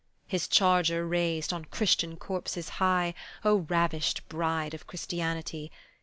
His charger raised on Christian corpses high, O ravished bride of Christianity!